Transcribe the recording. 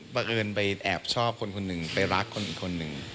เอิญไปแอบชอบคนคนหนึ่งไปรักคนอีกคนหนึ่ง